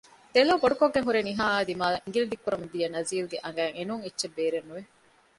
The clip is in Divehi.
ދެލޯ ބޮޑުކޮށްގެން ހުރެ ނިހާއާ ދިމާއަށް އިނގިލި ދިއްކުރަމުން ދިޔަ ނަޒީލްގެ އަނގައިން އެނޫން އެއްޗެއް ބޭރެއް ނުވެ